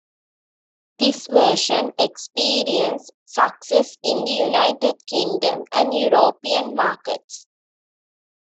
This version experienced success in the United Kingdom and European markets.